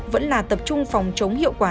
vẫn là tập trung phòng chống hiệu quả